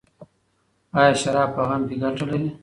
ایا شراب په غم کي ګټه لري؟